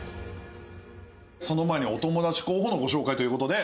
その前にお友達候補のご紹介ということで。